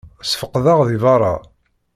Ssfeqdeɣ deg berra.